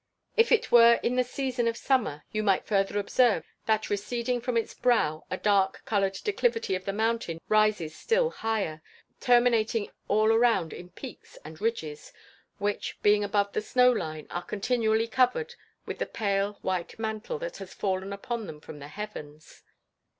If it were in the season of summer, you might further observe, that receding from its brow a dark coloured declivity of the mountain rises still higher, terminating all around in peaks and ridges which, being above the snow line are continually covered with the pale white mantle that has fallen upon them from the heavens.